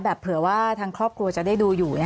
เผื่อว่าทางครอบครัวจะได้ดูอยู่